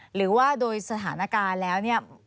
หรือว่าโดยสถานการณ์แล้วเนี่ย